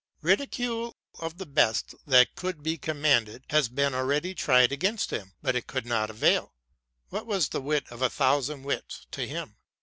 Ridicule, of the best that could be commanded, has been already tried against him ; but it could not avail. What was the wit of a thousand wits to him?